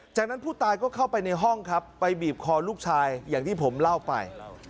จากนั้นผู้ตายก็เข้าไปในห้องครับไปบีบคอลูกชายอย่างที่ผมเล่าไป